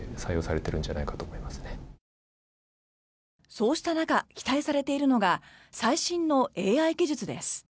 そうした中期待されているのが最新のＡＩ技術です。